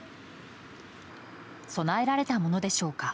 供えられたものでしょうか